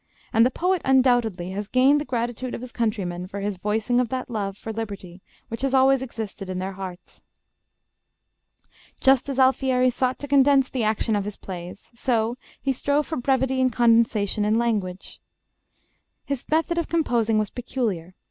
And the poet undoubtedly has gained the gratitude of his countrymen for his voicing of that love for liberty which has always existed in their hearts. Just as Alfieri sought to condense the action of his plays, so he strove for brevity and condensation in language. His method of composing was peculiar.